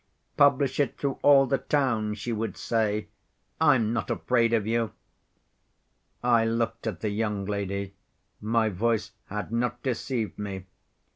"Publish it through all the town," she would say, "I'm not afraid of you." ' I looked at the young lady, my voice had not deceived me.